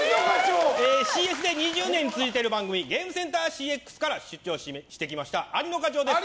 ＣＳで２０年続いている番組「ゲームセンターＣＸ」から出張してきました有野課長です。